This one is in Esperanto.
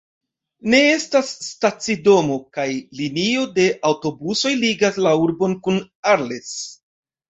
Ne estas stacidomo, kaj linio de aŭtobusoj ligas la urbon kun Arles.